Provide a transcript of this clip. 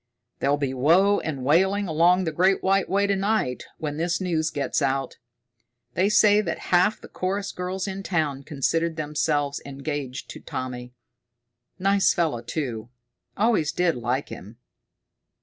There'll be woe and wailing along the Great White Way to night when this news gets out. They say that half the chorus girls in town considered themselves engaged to Tommy. Nice fellow, too! Always did like him!"